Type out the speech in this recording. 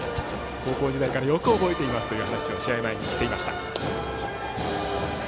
高校時代からよく覚えていますという話を試合前にしていました。